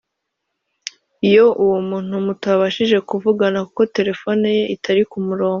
iyo uwo muntu mutabashije kuvugana kuko terefoni ye itari ku murongo